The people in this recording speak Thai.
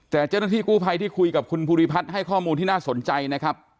แต่เจ้าหน้าที่กู้ภัยที่คุยกับคุณภูริพัฒน์ให้ข้อมูลที่น่าสนใจนะครับ